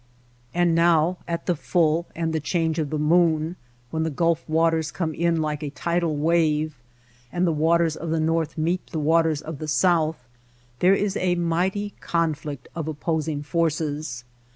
And now at the full and the change of the moon, when the Gulf waters come in like a tidal wave, and the waters of the north meet the waters of the south, there is a mighty con flict of opposing forces.